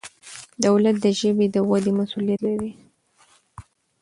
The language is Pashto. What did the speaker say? دولت د ژبې د ودې مسؤلیت لري.